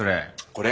これ？